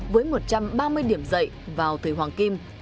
với một trăm ba mươi điểm dậy vào thời hoàng kim